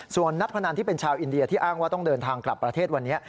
ส่วนนักพนันที่เป็นชาวอินเดียที่อ้างว่าต้องเดินทางกลับประเทศวันนี้